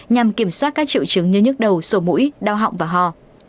nhằm kiểm soát các triệu chứng như nhức đầu sổ mũi đau họng và hò